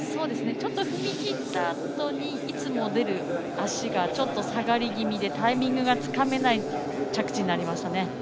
ちょっと踏み切ったあとにいつも出る足が下がり気味でタイミングがつかめない着地になりましたね。